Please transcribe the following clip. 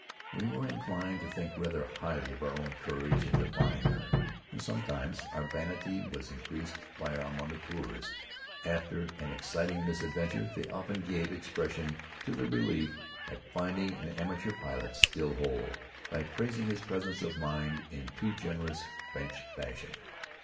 We were inclined to think rather highly of our own courage in defying her; and sometimes our vanity was increased by our moniteurs. After an exciting misadventure they often gave expression to their relief at finding an amateur pilot still whole, by praising his "presence of mind" in too generous French fashion.